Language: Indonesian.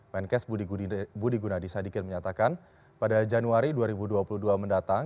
menkes budi gunadisadikin menyatakan pada januari dua ribu dua puluh dua mendatang